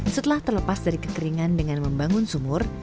setelah terlepas dari kekeringan dengan membangun sumur